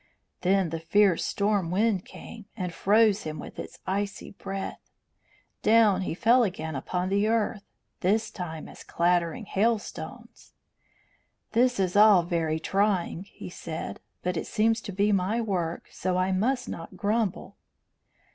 Then the fierce storm wind came and froze him with its icy breath. Down he fell again upon the earth, this time as clattering hailstones. "This is all very trying," he said; "but it seems to be my work, so I must not grumble."